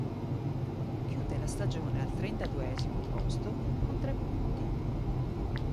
Chiude la stagione al trentaduesimo posto con tre punti.